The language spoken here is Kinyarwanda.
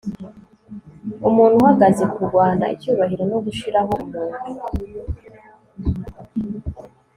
Umuntu uhagaze kurwana icyubahiro no gushiraho umuntu